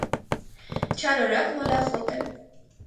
Չարորակ մոլախոտ է։